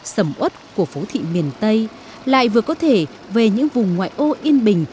sầm út của phố thị miền tây lại vừa có thể về những vùng ngoại ô yên bình